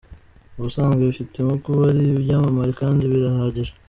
Ubusanzwe bifitemo kuba ari ibyamamare kandi birahagije.